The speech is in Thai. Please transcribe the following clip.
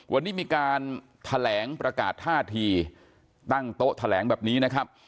วันนี้มีการแถลงประกาศท่าทีตั้งโต๊ะแถลงแบบนี้นะครับ